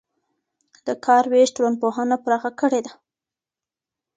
د کار وېش ټولنپوهنه پراخه کړې ده.